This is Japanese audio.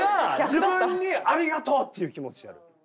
自分に「ありがとう」っていう気持ちになる。